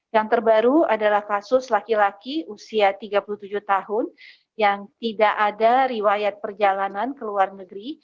yang terbaru adalah kasus laki laki usia tiga puluh tujuh tahun yang tidak ada riwayat perjalanan ke luar negeri